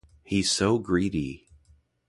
He's so greedy!